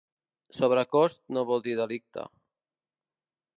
Sobrecost no vol dir delicte.